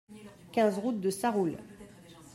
quinze route de Sarroul